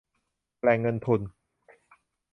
แหล่งเงินทุน